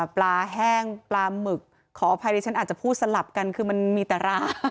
ปลาแห้งปลาหมึกขออภัยดิฉันอาจจะพูดสลับกันคือมันมีแต่รา